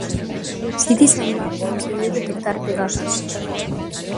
Citizen Lab conseguiu detectar 'Pegasus'.